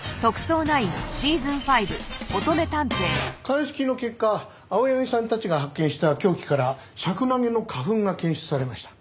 鑑識の結果青柳さんたちが発見した凶器からシャクナゲの花粉が検出されました。